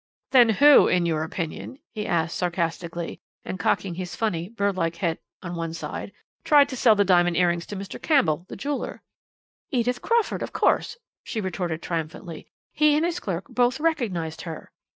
"Then who, in your opinion," he asked sarcastically, and cocking his funny birdlike head on one side, "tried to sell diamond earrings to Mr. Campbell, the jeweller?" "Edith Crawford, of course," she retorted triumphantly; "he and his clerk both recognized her."